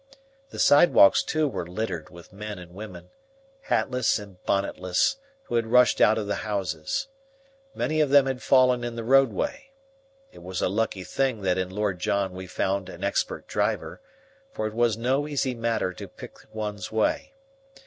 The sidewalks too were littered with men and women, hatless and bonnetless, who had rushed out of the houses. Many of them had fallen in the roadway. It was a lucky thing that in Lord John we had found an expert driver, for it was no easy matter to pick one's way.